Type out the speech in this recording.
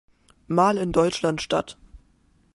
Mal in Deutschland statt.